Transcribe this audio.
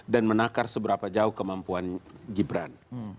dan menakar seberapa jauh kemampuan gibran